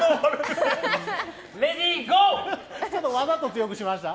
ちょっとわざと強くしました？